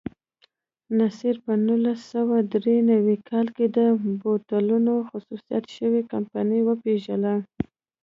نصیر په نولس سوه درې نوي کال کې د بوتلونو خصوصي شوې کمپنۍ وپېرله.